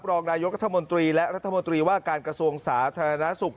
รองนายกรัฐมนตรีและรัฐมนตรีว่าการกระทรวงสาธารณสุข